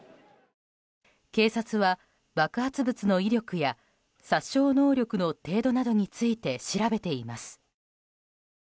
警察は、爆発物の威力や殺傷能力の程度について調べています。